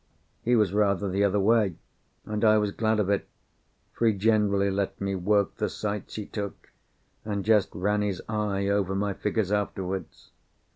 He was rather the other way, and I was glad of it, for he generally let me work the sights he took, and just ran his eye over my figures afterwards.